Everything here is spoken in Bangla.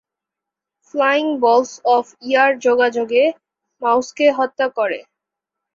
ফ্লাইং বলস অফ ইয়ার যোগাযোগে মাউসকে হত্যা করে।